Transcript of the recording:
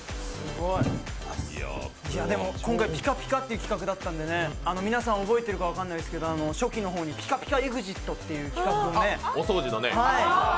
今回、ピカピカっていう企画だったんでね皆さん覚えているか分かりませんが初期に「ピカピカＥＸＩＴ」っていう企画をね。